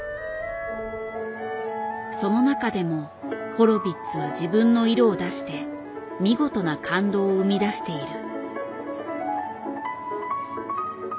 その中でもホロヴィッツは自分の色を出して見事な感動を生み出している。